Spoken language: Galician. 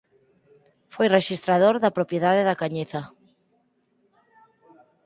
Foi rexistrador da propiedade da Cañiza.